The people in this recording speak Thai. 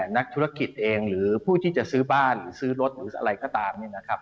นักธุรกิจเองหรือผู้ที่จะซื้อบ้านซื้อรถหรืออะไรก็ตาม